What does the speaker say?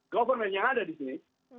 government yang ada di sini